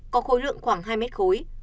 có khối lượng khoảng hai mét khối